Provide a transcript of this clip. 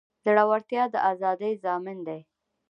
زړورتیا د ازادۍ ضامن دی.